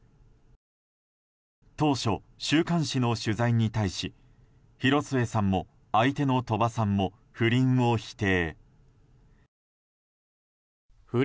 当初、週刊誌の取材に対し広末さんも相手の鳥羽さんも不倫を否定。